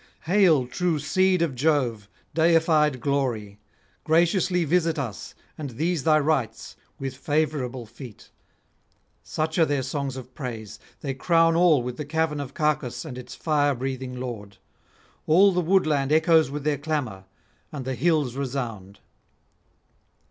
Hail, true seed of Jove, deified glory! graciously visit us and these thy rites with favourable feet. Such are their songs of praise; they crown all with the cavern of Cacus and its fire breathing lord. All the woodland echoes with their clamour, and the hills resound.